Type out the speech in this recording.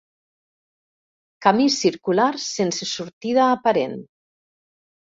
Camí circular sense sortida aparent.